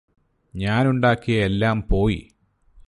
ഞാനുണ്ടാക്കിയ എല്ലാം പോയി